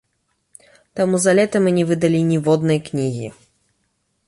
Таму за лета мы не выдалі ніводнай кнігі.